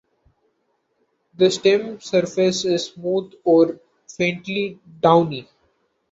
The stem surface is smooth or faintly downy.